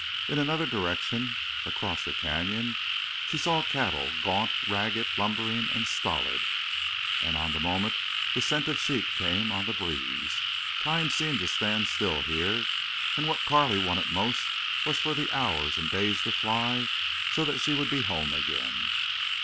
In another direction, across the canyon, she saw cattle, gaunt, ragged, lumbering, and stolid. And on the moment the scent of sheep came on the breeze. Time seemed to stand still here, and what Carley wanted most was for the hours and days to fly, so that she would be home again.